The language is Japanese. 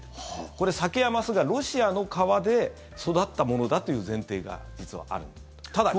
これサケやマスがロシアの川で育ったものだという前提が、実はある。